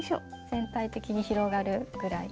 全体的に広がるぐらい。